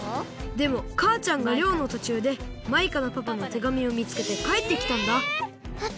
でもかあちゃんがりょうのとちゅうでマイカのパパの手紙をみつけてかえってきたんだパパ！？